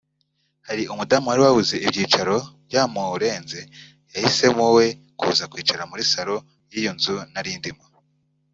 Hari umudamu wari wabuze ibyicaro byamurenze yahisemo we kuza kwicara muri salon y’iyo nzu nari ndimo